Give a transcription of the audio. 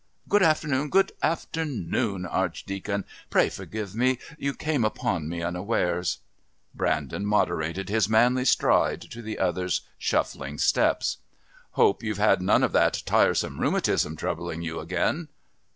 "Good afternoon...good afternoon, Archdeacon. Pray forgive me. You came upon me unawares." Brandon moderated his manly stride to the other's shuffling steps. "Hope you've had none of that tiresome rheumatism troubling you again."